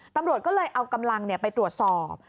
ตำรวจก็เลยเอากำลังไปตรวจสอบ